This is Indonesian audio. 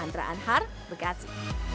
dan harga bekasi